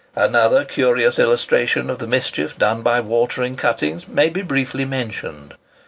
Another curious illustration of the mischief done by water in cuttings may be briefly mentioned.